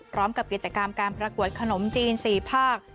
พร้อมกับกิจกรรมการประกวดขนมจีน๔ภาค